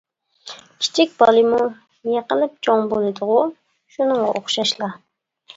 كىچىك بالىمۇ يىقىلىپ چوڭ بولىدىغۇ شۇنىڭغا ئوخشاشلا.